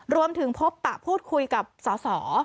รวมถึงพบปะพูดคุยกับสส